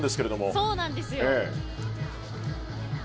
そうなんですよ。